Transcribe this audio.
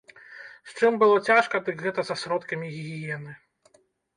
З чым было цяжка, дык гэта са сродкамі гігіены.